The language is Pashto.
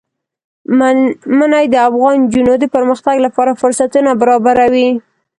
منی د افغان نجونو د پرمختګ لپاره فرصتونه برابروي.